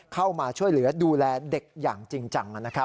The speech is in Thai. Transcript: เข้ามาช่วยเหลือดูแลเด็กอย่างจริงจัง